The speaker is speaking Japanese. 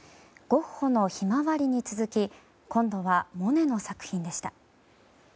ゴッホの「ひまわり」に続き今度はモネの作品でした。